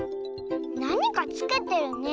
なにかつけてるね。